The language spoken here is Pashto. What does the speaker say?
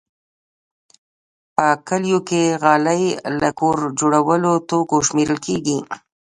په کلیو کې غالۍ له کور جوړو توکو شمېرل کېږي.